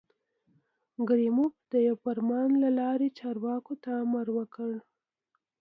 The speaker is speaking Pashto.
کریموف د یوه فرمان له لارې چارواکو ته امر وکړ.